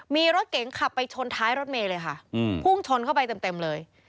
มีรถเก๋งขับไปชนท้ายรถเมย์เลยค่ะพุ่งชนเข้าไปเต็มเลย